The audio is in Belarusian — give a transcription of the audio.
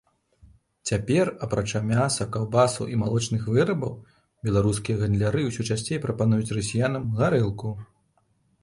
Цяпер, апрача мяса, каўбасаў і малочных вырабаў, беларускія гандляры ўсё часцей прапануюць расіянам гарэлку.